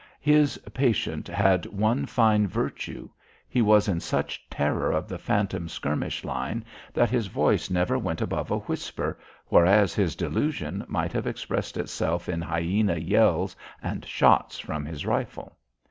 His patient had one fine virtue. He was in such terror of the phantom skirmish line that his voice never went above a whisper, whereas his delusion might have expressed itself in hyena yells and shots from his rifle.